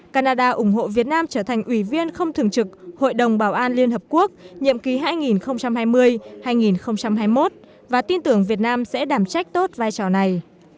canada ủng hộ việt nam trở thành ủy viên không thường trực hội đồng bảo an liên hợp quốc nhiệm ký hai nghìn hai mươi hai nghìn hai mươi một và tin tưởng việt nam sẽ đảm trách tốt vai trò này